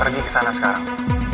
pergi ke sana sekarang